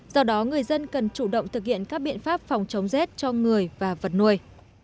do đó người dân cần chủ động thực hiện các biện pháp phòng chống rét cho người và vật nuôi